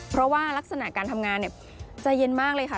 เพราะว่ารักษณะการทำงานใจเย็นมากเลยค่ะ